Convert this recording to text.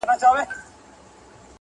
ما ویل چې کله